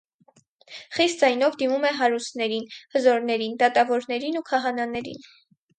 Խիստ ձայնով դիմում է հարուստներին, հզորներին, դատավորներին ու քահանաներին։